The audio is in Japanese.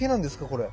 これ。